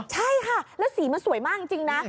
ใช่ค่ะแล้วสีมันสวยมากจริงนะ